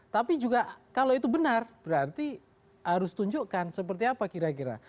tapi juga kalau itu benar berarti harus tunjukkan seperti apa kira kira